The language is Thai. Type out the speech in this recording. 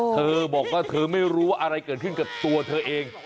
เธอบอกว่าเธอไม่รู้ว่าอะไรเกิดขึ้นกับตัวเธอเอง